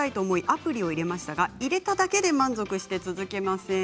アプリを入れましたが、入れただけで満足して続きません。